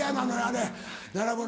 あれ並ぶの。